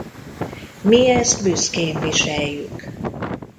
Mi ezt büszkén viseljük.